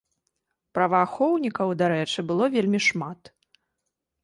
Праваахоўнікаў, дарэчы, было вельмі шмат.